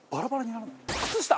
靴下！